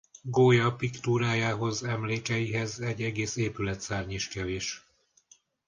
Goya piktúrájához-emlékeihez egy egész épületszárny is kevés.